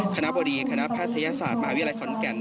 คณะบดีคณะแพทยศาสตร์มหาวิทยาลัยขอนแก่น